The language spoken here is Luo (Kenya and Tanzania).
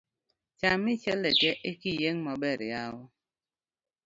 Cham Michele tee ekiyieng' maber yawa.